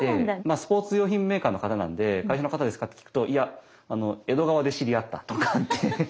スポーツ用品メーカーの方なんで会社の方ですかって聞くと「いや江戸川で知り合った」とかっておっしゃってたりしてて。